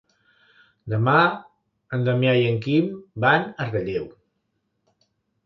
Demà en Damià i en Quim van a Relleu.